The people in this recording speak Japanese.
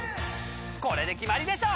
これで決まりでしょ！